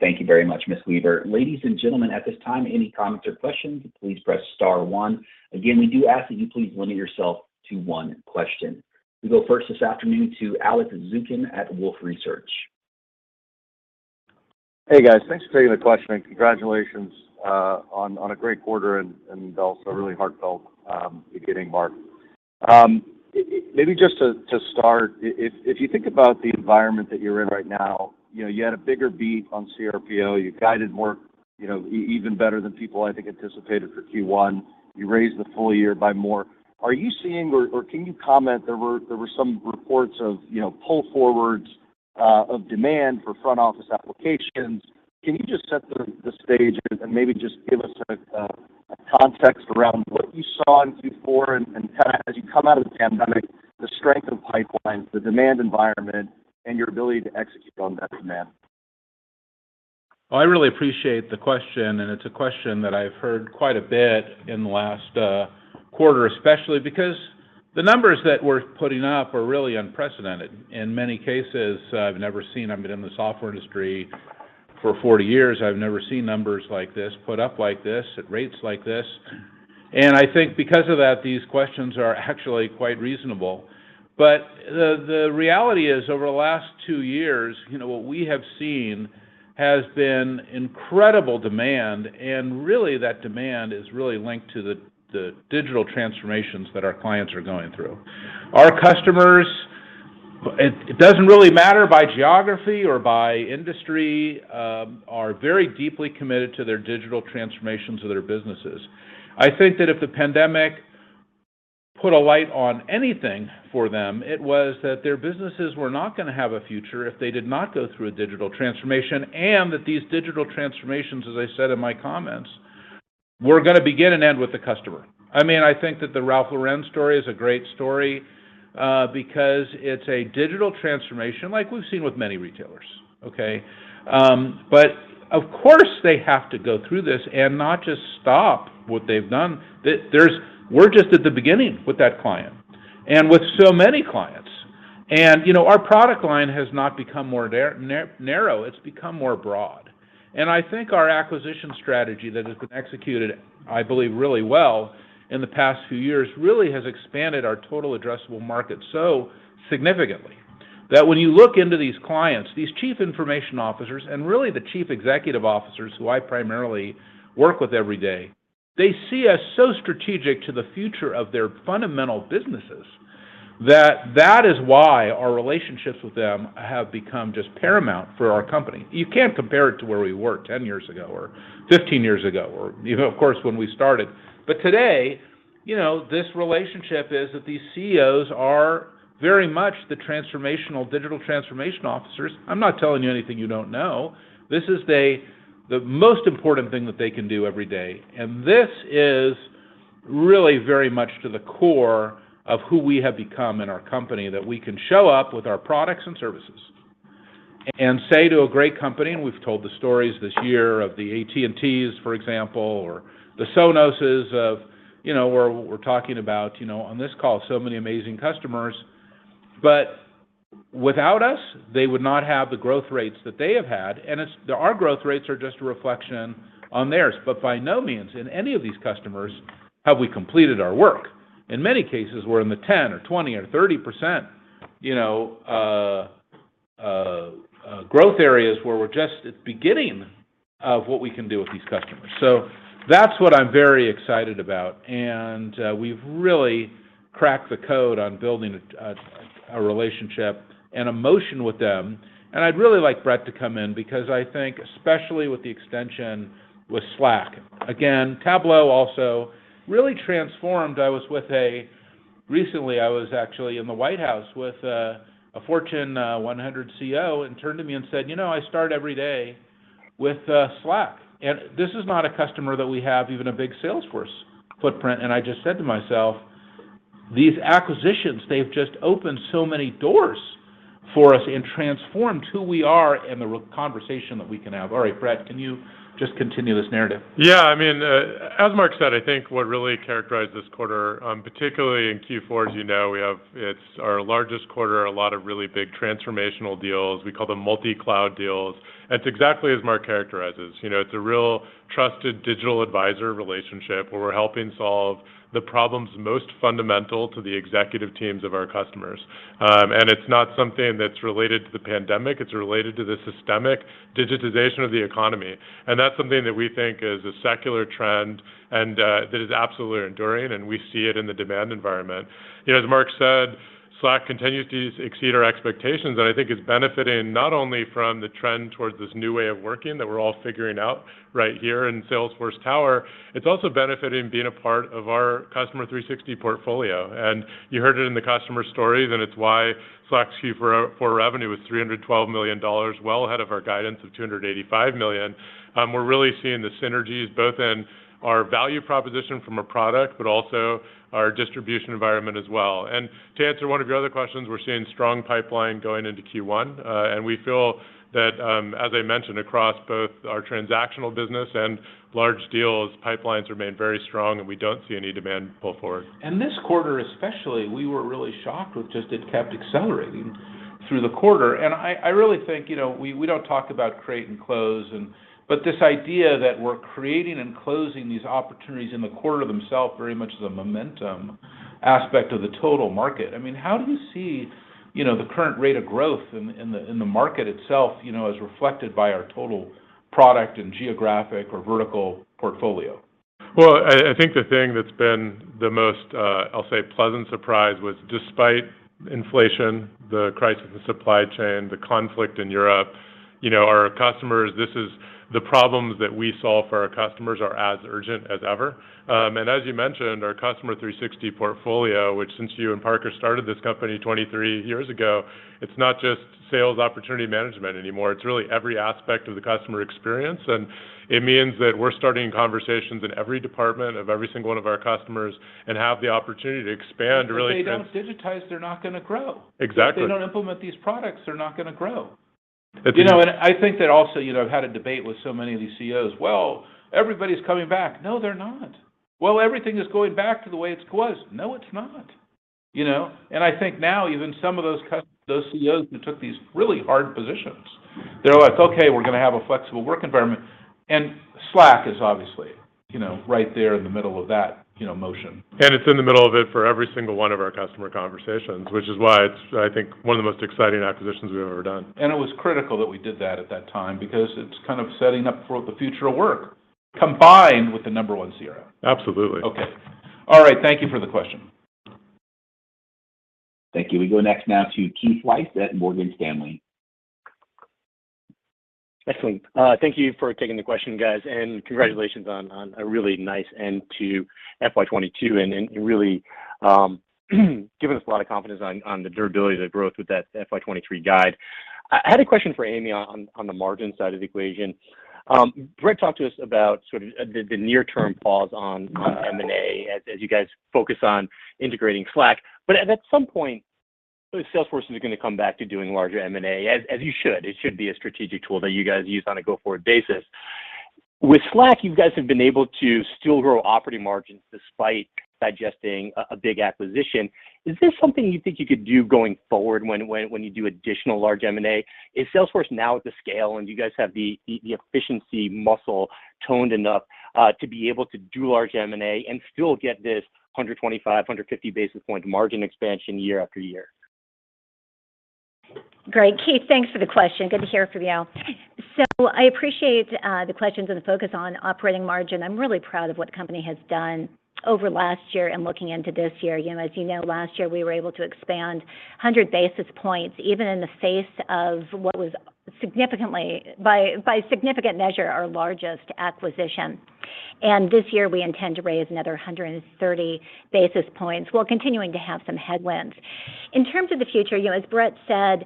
Thank you very much, Ms. Weaver. Ladies and gentlemen, at this time, any comments or questions, please press star one. Again, we do ask that you please limit yourself to one question. We go first this afternoon to Alex Zukin at Wolfe Research. Hey, guys. Thanks for taking the question, and congratulations on a great quarter and also a really heartfelt beginning mark. Maybe just to start, if you think about the environment that you're in right now, you had a bigger beat on CRPO. You guided more, even better than people, I think, anticipated for Q1. You raised the full year by more. Are you seeing or can you comment, there were some reports of, pull forwards of demand for front office applications. Can you just set the stage and maybe just give us a context around what you saw in Q4 and kinda as you come out of the pandemic, the strength of pipelines, the demand environment, and your ability to execute on that demand? Well, I really appreciate the question, and it's a question that I've heard quite a bit in the last quarter, especially because the numbers that we're putting up are really unprecedented. In many cases, I've never seen them in the software industry for 40 years. I've never seen numbers like this put up like this at rates like this. I think because of that, these questions are actually quite reasonable. The reality is over the last two years, what we have seen has been incredible demand, and really that demand is really linked to the digital transformations that our clients are going through. Our customers, it doesn't really matter by geography or by industry, are very deeply committed to their digital transformations of their businesses. I think that if the pandemic put a light on anything for them, it was that their businesses were not gonna have a future if they did not go through a digital transformation, and that these digital transformations, as I said in my comments, were gonna begin and end with the customer. I mean, I think that the Ralph Lauren story is a great story, because it's a digital transformation like we've seen with many retailers, okay? But of course, they have to go through this and not just stop what they've done. We're just at the beginning with that client and with so many clients. You know, our product line has not become more narrow, it's become more broad. I think our acquisition strategy that has been executed, I believe, really well in the past few years really has expanded our total addressable market so significantly, that when you look into these clients, these chief information officers, and really the chief executive officers who I primarily work with every day, they see us so strategic to the future of their fundamental businesses that that is why our relationships with them have become just paramount for our company. You can't compare it to where we were 10 years ago or 15 years ago or, of course, when we started. Today, this relationship is that these CEOs are very much the transformational, digital transformation officers. I'm not telling you anything you don't know. This is the most important thing that they can do every day. This is really very much to the core of who we have become in our company, that we can show up with our products and services and say to a great company, and we've told the stories this year of the AT&Ts, for example, or the Sonos's of, we're talking about, on this call, so many amazing customers. Without us, they would not have the growth rates that they have had, and it's our growth rates are just a reflection on theirs. By no means in any of these customers have we completed our work. In many cases, we're in the 10% or 20% or 30%, growth areas where we're just at the beginning of what we can do with these customers. That's what I'm very excited about. We've really cracked the code on building a relationship and emotion with them. I'd really like Bret to come in because I think especially with the extension with Slack. Again, Tableau also really transformed. Recently, I was actually in the White House with a Fortune 100 CEO and turned to me and said, "You know, I start every day with Slack." This is not a customer that we have even a big Salesforce footprint. I just said to myself, "These acquisitions, they've just opened so many doors for us and transformed who we are and the conversation that we can have." All right, Bret, can you just continue this narrative? Yeah, I mean, as Marc said, I think what really characterized this quarter, particularly in Q4, as you know, it's our largest quarter, a lot of really big transformational deals. We call them multi-cloud deals. It's exactly as Marc characterizes. You know, it's a real trusted digital advisor relationship where we're helping solve the problems most fundamental to the executive teams of our customers. It's not something that's related to the pandemic; it's related to the systemic digitization of the economy. That's something that we think is a secular trend and that is absolutely enduring, and we see it in the demand environment. You know, as Marc said, Slack continues to exceed our expectations, and I think it's benefiting not only from the trend towards this new way of working that we're all figuring out right here in Salesforce Tower, it's also benefiting being a part of our Customer 360 portfolio. You heard it in the customer stories, and it's why Slack's Q4 revenue was $312 million, well ahead of our guidance of $285 million. We're really seeing the synergies both in our value proposition from a product but also our distribution environment as well. To answer one of your other questions, we're seeing strong pipeline going into Q1. We feel that, as I mentioned, across both our transactional business and large deals, pipelines remain very strong, and we don't see any demand pull forward. This quarter especially, we were really shocked with just it kept accelerating through the quarter. I really think we don't talk about create and close and-- but this idea that we're creating and closing these opportunities in the quarter themselves very much is a momentum aspect of the total market. I mean, how do you see, the current rate of growth in the market itself, as reflected by our total product and geographic or vertical portfolio? Well, I think the thing that's been the most, I'll say pleasant surprise was despite inflation, the crisis in supply chain, the conflict in Europe, our customers, this is the problems that we solve for our customers are as urgent as ever. As you mentioned, our Customer 360 portfolio, which since you and Parker started this company 23 years ago, it's not just sales opportunity management anymore. It's really every aspect of the customer experience, and it means that we're starting conversations in every department of every single one of our customers and have the opportunity to expand really. If they don't digitize, they're not gonna grow. Exactly. If they don't implement these products, they're not gonna grow. You know, I think that also, I've had a debate with so many of these CEOs. "Well, everybody's coming back." "No, they're not." "Well, everything is going back to the way it was." "No, it's not." You know? I think now even some of those those CEOs who took these really hard positions, they're like, "Okay, we're gonna have a flexible work environment." Slack is obviously, right there in the middle of that, motion. It's in the middle of it for every single one of our customer conversations, which is why it's, I think, one of the most exciting acquisitions we've ever done. It was critical that we did that at that time because it's kind of setting up for the future of work, combined with Net Zero. Absolutely. Okay. All right. Thank you for the question. Thank you. We go next now to Keith Weiss at Morgan Stanley. Excellent. Thank you for taking the question, guys, and congratulations on a really nice end to FY 2022, and you really given us a lot of confidence on the durability of the growth with that FY 2023 guide. I had a question for Amy on the margin side of the equation. Bret talked to us about sort of the near-term pause on M&A as you guys focus on integrating Slack. At some point, Salesforce is gonna come back to doing larger M&A as you should. It should be a strategic tool that you guys use on a go-forward basis. With Slack, you guys have been able to still grow operating margins despite digesting a big acquisition. Is this something you think you could do going forward when you do additional large M&A? Is Salesforce now at the scale, and do you guys have the efficiency muscle toned enough to be able to do large M&A and still get this 125-150 basis point margin expansion year-after-year? Great. Keith, thanks for the question. Good to hear from you. I appreciate the questions and the focus on operating margin. I'm really proud of what the company has done over last year and looking into this year. You know, as last year, we were able to expand 100 basis points, even in the face of what was significantly by significant measure, our largest acquisition. This year, we intend to raise another 130 basis points while continuing to have some headwinds. In terms of the future, as Bret said,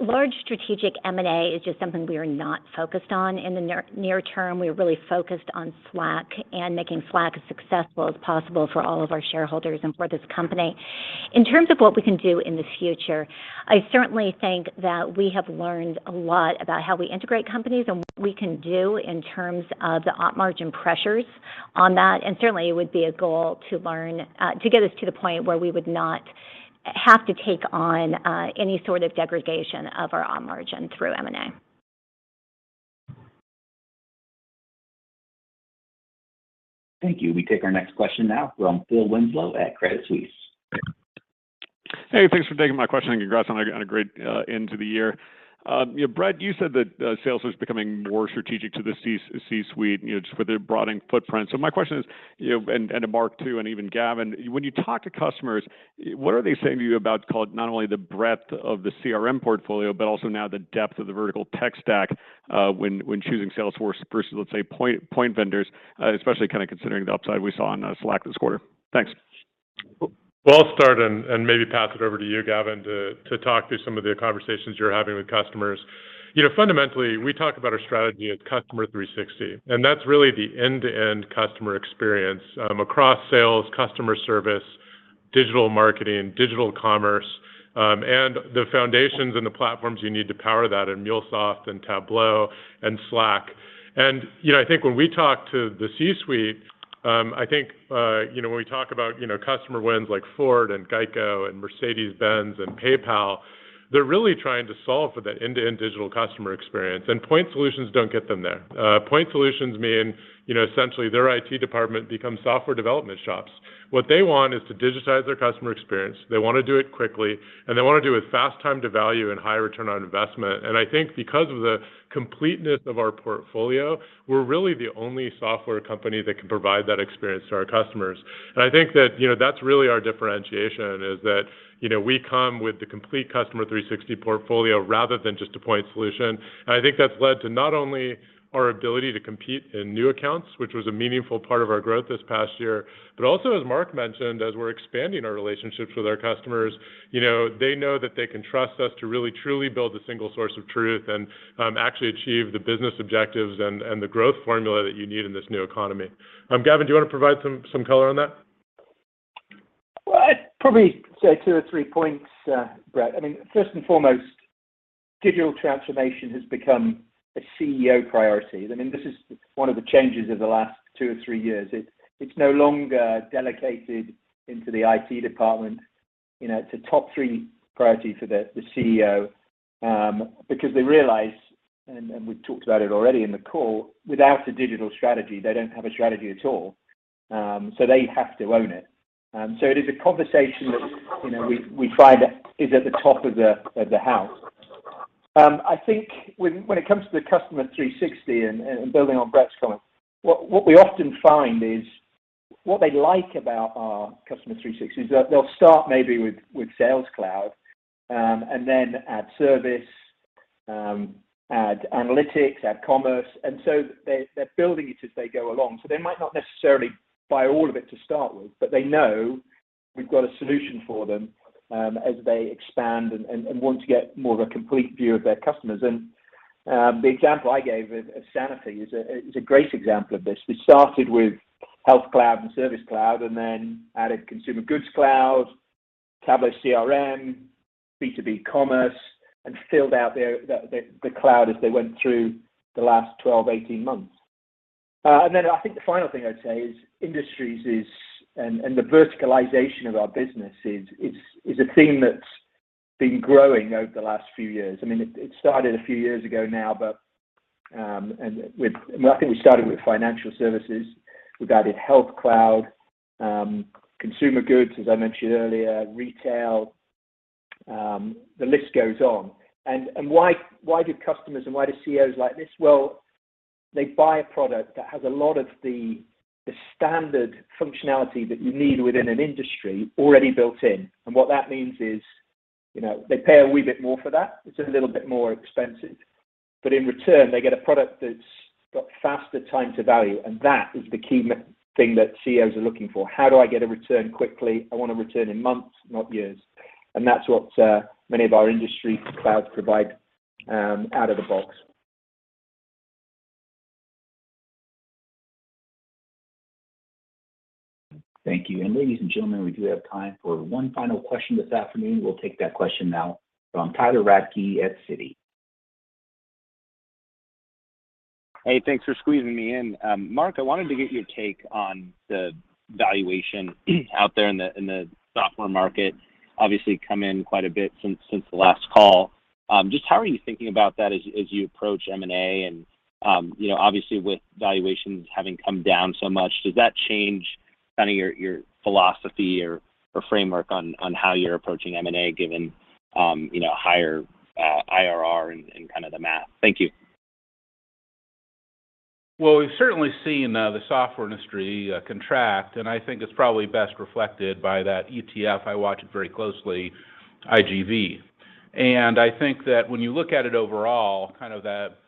large strategic M&A is just something we are not focused on in the near term. We're really focused on Slack and making Slack as successful as possible for all of our shareholders and for this company. In terms of what we can do in the future, I certainly think that we have learned a lot about how we integrate companies and what we can do in terms of the op margin pressures on that, and certainly it would be a goal to learn to get us to the point where we would not have to take on any sort of degradation of our op margin through M&A. Thank you. We take our next question now from Phil Winslow at Credit Suisse. Hey, thanks for taking my question, and congrats on a great end to the year. You know, Bret, you said that Salesforce is becoming more strategic to the C-suite, just for their broadening footprint. My question is, and to Marc too, and even Gavin, when you talk to customers, what are they saying to you about, call it, not only the breadth of the CRM portfolio, but also now the depth of the vertical tech stack, when choosing Salesforce versus, let's say, point solution vendors, especially considering the upside we saw on Slack this quarter? Thanks. Well, I'll start and maybe pass it over to you, Gavin, to talk through some of the conversations you're having with customers. You know, fundamentally, we talk about our strategy as Customer 360, and that's really the end-to-end customer experience across sales, customer service, digital marketing, digital commerce, and the foundations and the platforms you need to power that in MuleSoft and Tableau and Slack. You know, I think when we talk to the C-suite, I think when we talk about customer wins like Ford and GEICO and Mercedes-Benz and PayPal, they're really trying to solve for that end-to-end digital customer experience and point solutions don't get them there. Point solutions mean, essentially their IT department becomes software development shops. What they want is to digitize their customer experience. They wanna do it quickly, and they wanna do it with fast time to value and high return on investment. I think because of the completeness of our portfolio, we're really the only software company that can provide that experience to our customers. I think that that's really our differentiation is that we come with the complete Customer 360 portfolio rather than just a point solution. I think that's led to not only our ability to compete in new accounts, which was a meaningful part of our growth this past year, but also, as Marc mentioned, as we're expanding our relationships with our customers, they know that they can trust us to really truly build a single source of truth and actually achieve the business objectives and the growth formula that you need in this new economy. Gavin, do you wanna provide some color on that? Well, I'd probably say two or three points, Bret. I mean, first and foremost, digital transformation has become a CEO priority. I mean, this is one of the changes of the last two or three years. It's no longer delegated into the IT department. You know, it's a top three priority for the CEO, because they realize, and we've talked about it already in the call, without a digital strategy, they don't have a strategy at all. They have to own it. It is a conversation that, we find is at the top of the house. I think when it comes to the Customer 360 and building on Bret's comment, what we often find is what they like about our Customer 360 is that they'll start maybe with Sales Cloud and then add service, add analytics, add commerce, and so they're building it as they go along. They might not necessarily buy all of it to start with, but they know we've got a solution for them as they expand and want to get more of a complete view of their customers. The example I gave of Sanofi is a great example of this. They started with Health Cloud and Service Cloud and then added Consumer Goods Cloud, Tableau CRM, B2B Commerce, and filled out their cloud as they went through the last 12, 18 months. Then I think the final thing I'd say is Industries and the verticalization of our business is a theme that's been growing over the last few years. I mean, it started a few years ago now. I think we started with financial services. We've added Health Cloud, consumer goods, as I mentioned earlier, retail, the list goes on. Why do customers and CEOs like this? Well, they buy a product that has a lot of the standard functionality that you need within an industry already built in. What that means is, they pay a wee bit more for that. It's a little bit more expensive. In return, they get a product that's got faster time to value, and that is the key thing that CEOs are looking for. How do I get a return quickly? I want a return in months, not years. That's what many of our industry clouds provide out of the box. Thank you. Ladies and gentlemen, we do have time for one final question this afternoon. We'll take that question now from Tyler Radke at Citi. Hey, thanks for squeezing me in. Marc, I wanted to get your take on the valuation out there in the software market. Obviously, come in quite a bit since the last call. Just how are you thinking about that as you approach M&A and, obviously with valuations having come down so much, does that change kind of your philosophy or framework on how you're approaching M&A given, higher IRR and kind of the math? Thank you. Well, we've certainly seen the software industry contract, and I think it's probably best reflected by that ETF, I watch it very closely, IGV. I think that when you look at it overall, kind of that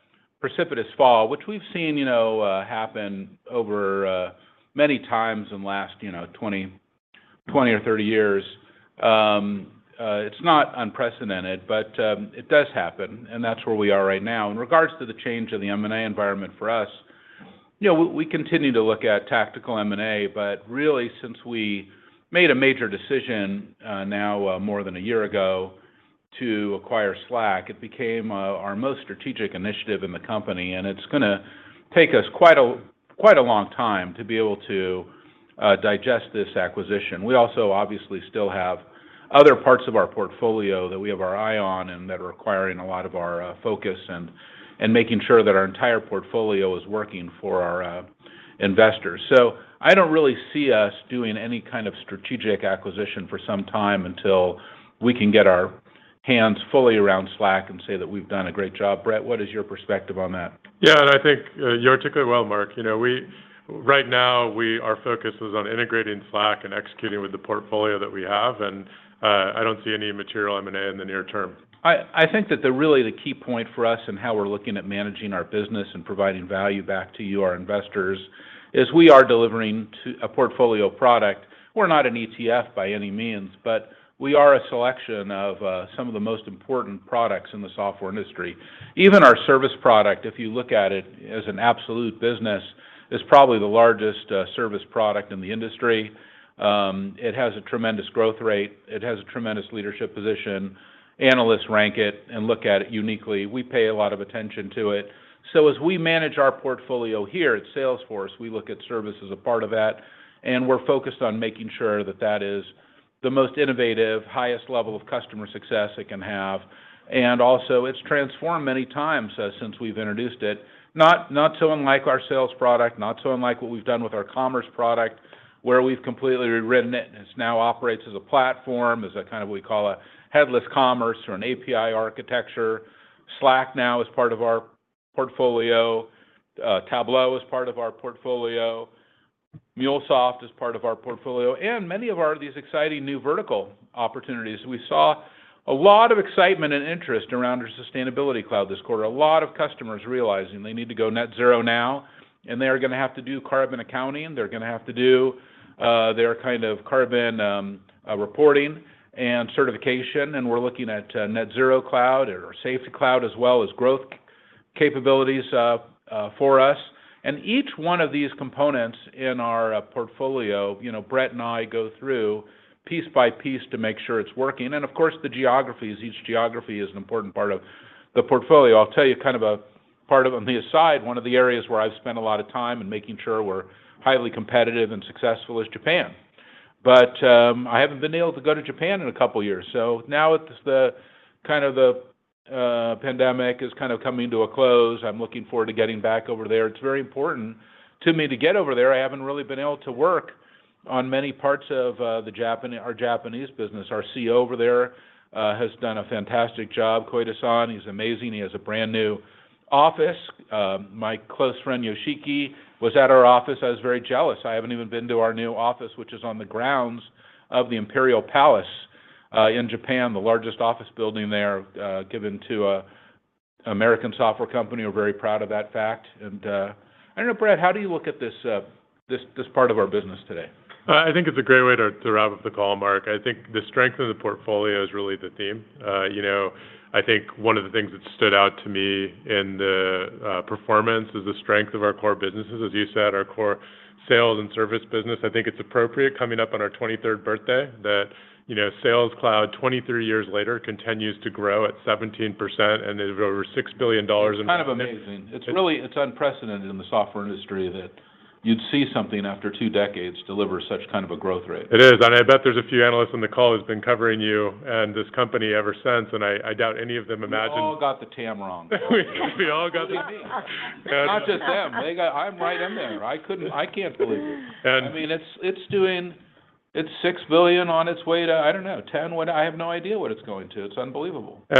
precipitous fall, which we've seen, happen over many times in the last, 20 or 30 years, it's not unprecedented, but it does happen, and that's where we are right now. In regards to the change in the M&A environment for us, we continue to look at tactical M&A, but really since we made a major decision now more than a year ago to acquire Slack, it became our most strategic initiative in the company, and it's gonna take us quite a long time to be able to Digest this acquisition. We also obviously still have other parts of our portfolio that we have our eye on and that are requiring a lot of our focus and making sure that our entire portfolio is working for our investors. I don't really see us doing any kind of strategic acquisition for some time until we can get our hands fully around Slack and say that we've done a great job. Bret, what is your perspective on that? Yeah, I think you articulate it well, Marc. You know, right now our focus is on integrating Slack and executing with the portfolio that we have, and I don't see any material M&A in the near term. I think that really the key point for us in how we're looking at managing our business and providing value back to you, our investors, is we are delivering a portfolio product. We're not an ETF by any means, but we are a selection of some of the most important products in the software industry. Even our service product, if you look at it as an absolute business, is probably the largest service product in the industry. It has a tremendous growth rate. It has a tremendous leadership position. Analysts rank it and look at it uniquely. We pay a lot of attention to it. As we manage our portfolio here at Salesforce, we look at service as a part of that, and we're focused on making sure that that is the most innovative, highest level of customer success it can have. Also, it's transformed many times since we've introduced it. Not so unlike our sales product, not so unlike what we've done with our commerce product, where we've completely rewritten it, and it now operates as a platform, as a kind of what we call a headless commerce or an API architecture. Slack now is part of our portfolio. Tableau is part of our portfolio. MuleSoft is part of our portfolio, and many of these exciting new vertical opportunities. We saw a lot of excitement and interest around our Sustainability Cloud this quarter. A lot of customers realizing they need to go net zero now, and they are gonna have to do carbon accounting. They're gonna have to do their kind of carbon reporting and certification, and we're looking at Net Zero Cloud or Safety Cloud as well as growth capabilities for us. Each one of these components in our portfolio, Bret and I go through piece by piece to make sure it's working. Of course, the geographies, each geography is an important part of the portfolio. I'll tell you kind of a part of on the aside, one of the areas where I've spent a lot of time in making sure, we're highly competitive and successful is Japan. I haven't been able to go to Japan in a couple years. Now it's the kind of the pandemic is kind of coming to a close. I'm looking forward to getting back over there. It's very important to me to get over there. I haven't really been able to work on many parts of our Japanese business. Our CEO over there has done a fantastic job. Shinichi Koide, he's amazing. He has a brand new office. My close friend Yoshiki was at our office. I was very jealous. I haven't even been to our new office, which is on the grounds of the Imperial Palace in Japan, the largest office building there given to an American software company. We're very proud of that fact. I don't know, Bret, how do you look at this part of our business today? I think it's a great way to wrap up the call, Marc. I think the strength of the portfolio is really the theme. You know, I think one of the things that stood out to me in the performance is the strength of our core businesses. As you said, our core sales and service business, I think it's appropriate coming up on our 23rd birthday that, Sales Cloud, 23 years later, continues to grow at 17%, and there's over $6 billion in- It's kind of amazing. It's unprecedented in the software industry that you'd see something after two decades deliver such kind of a growth rate. It is, and I bet there's a few analysts on the call who's been covering you and this company ever since, and I doubt any of them imagined- We've all got the TAM wrong. We all got the Not just them. They got. I'm right in there. I can't believe it. And- I mean, it's doing $6 billion on its way to, I don't know, $10 billion. I have no idea what it's going to. It's unbelievable. I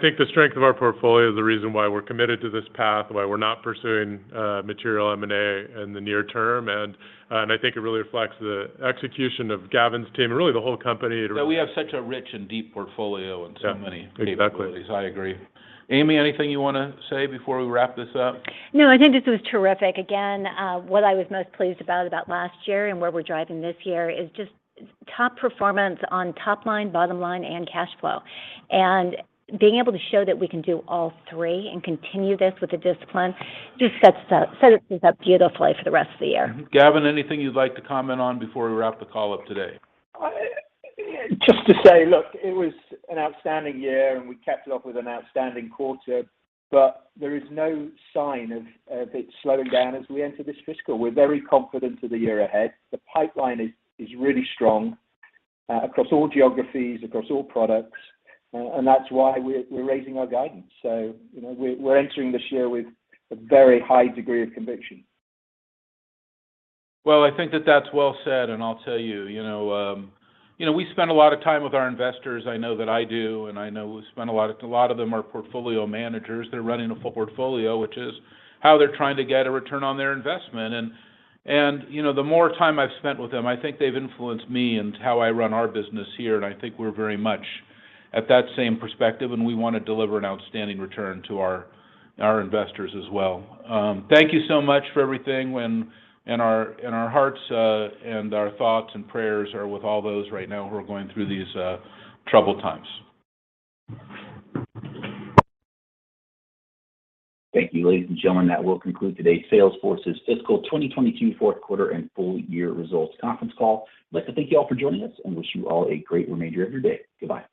think the strength of our portfolio is the reason why we're committed to this path, why we're not pursuing material M&A in the near term. I think it really reflects the execution of Gavin's team and really the whole company. That we have such a rich and deep portfolio in so many capabilities. Yeah. Exactly. I agree. Amy, anything you wanna say before we wrap this up? No, I think this was terrific. Again, what I was most pleased about last year and where we're driving this year is just top performance on top line, bottom line, and cash flow. Being able to show that we can do all three and continue this with the discipline just sets us up beautifully for the rest of the year. Gavin, anything you'd like to comment on before we wrap the call up today? Just to say, look, it was an outstanding year, and we capped it off with an outstanding quarter, but there is no sign of it slowing down as we enter this fiscal. We're very confident of the year ahead. The pipeline is really strong across all geographies, across all products, and that's why we're raising our guidance. You know, we're entering this year with a very high degree of conviction. Well, I think that that's well said, and I'll tell we spend a lot of time with our investors. I know that I do, and I know a lot of them are portfolio managers. They're running a full portfolio, which is how they're trying to get a return on their investment. You know, the more time I've spent with them, I think they've influenced me in how I run our business here, and I think we're very much at that same perspective, and we wanna deliver an outstanding return to our investors as well. Thank you so much for everything. In our hearts, and our thoughts and prayers are with all those right now who are going through these troubled times. Thank you, ladies and gentlemen. That will conclude today's Salesforce's Fiscal 2022 Q4 and Full Year Results conference call. I'd like to thank you all for joining us and wish you all a great remainder of your day. Goodbye.